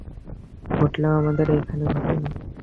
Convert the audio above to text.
ঘটলেও আমাদের এখানে ঘটে নি।